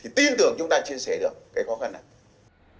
thì tin tưởng chúng ta chia sẻ được cái khó khăn này